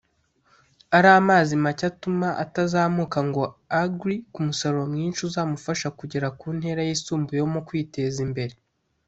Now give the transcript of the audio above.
ari amazi make atuma atazamuka ngo agree ku musaruro mwinshi uzamufasha kugera ku ntera yisumbuyeho mu kwiteza imbere